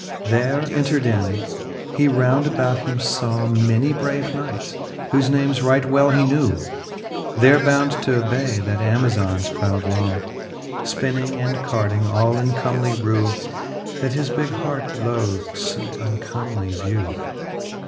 XXII. There entred in, he round about him faw Many brave knights, whofe names right well he knew. There bound t'obay that Amazon's proud law. Spinning and carding all in comely rew. That his bigge hart loth'd fo uncomely vew.